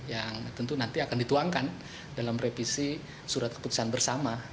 yang tentu nanti akan dituangkan dalam revisi surat keputusan bersama